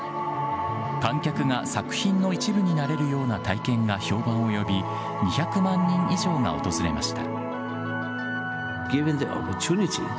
観客が作品の一部になれるような体験が評判を呼び、２００万人以上が訪れました。